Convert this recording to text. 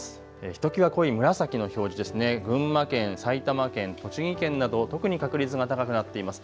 ひときわ濃い紫の表示ですね、群馬県、埼玉県、栃木県など特に確率が高くなっています。